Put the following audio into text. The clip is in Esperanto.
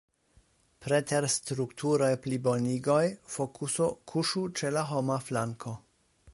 Preter strukturaj plibonigoj, fokuso kuŝu ĉe la homa flanko.